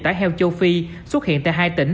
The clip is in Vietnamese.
tải heo châu phi xuất hiện tại hai tỉnh